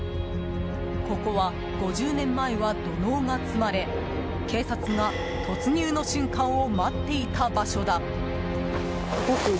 ここは、５０年前は土のうが積まれ警察が突入の瞬間を待っていた場所だ。